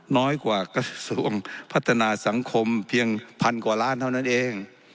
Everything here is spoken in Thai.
น้อยกว่ากระทรวงพัฒนาสังคมเพียงพันกว่าล้านเท่านั้นเอง